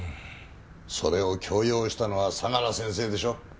それを強要したのは相良先生でしょ？